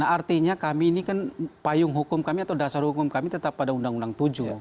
artinya kami ini kan payung hukum kami atau dasar hukum kami tetap pada undang undang tujuh